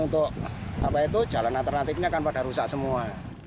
untuk jalan alternatifnya kan pada rusak semua